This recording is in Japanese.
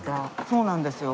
そうなんですよ。